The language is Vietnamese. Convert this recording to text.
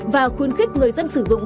và khuyến khích người dân sử dụng